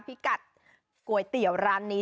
พิกัดก๋วยเตี๋ยวร้านนี้